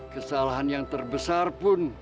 kesalahan yang terbesar pun